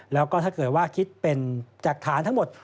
แล้วก็ถ้าเกิดว่าคิดเป็นจากฐานทั้งหมด